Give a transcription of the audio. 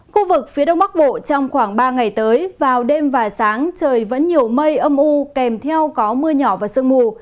khu vực phía đông bắc bộ trong khoảng ba ngày tới vào đêm và sáng trời vẫn nhiều mây âm u kèm theo có mưa nhỏ và sương mù